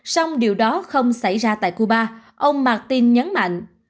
song điều đó không xảy ra tại cuba ông martín nhắn mạnh